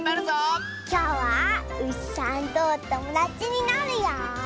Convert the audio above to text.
きょうはうしさんとおともだちになるよ！